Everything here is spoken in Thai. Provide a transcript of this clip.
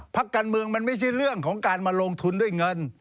พักการเมืองมันไม่ใช่เรื่องของการมาลงทุนด้วยเงิน